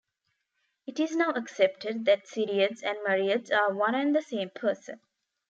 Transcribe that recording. It is now accepted that Cyriades and Mariades are one and the same person.